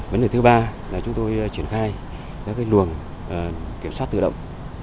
vấn đề thứ ba là chúng tôi triển khai các luồng kiểm soát tự động